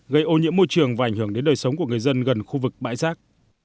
gây ô nhiễm môi trường và ảnh hưởng đến đời sống của người dân gần khu vực bãi rác